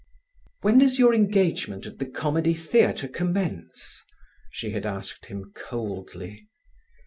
"When does your engagement at the Comedy Theatre commence?" she had asked him coldly.